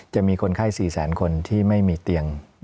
จะมีคนไข้๔แสนคนที่ไม่มีเตียง